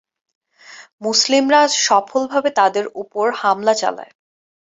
মুসলিমরা সফলভাবে তাদের উপর হামলা চালায়।